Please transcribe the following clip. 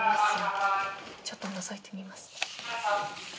ちょっとのぞいてみます。